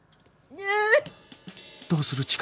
どうする？